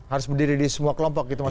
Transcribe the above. harus berdiri di semua kelompok gitu mas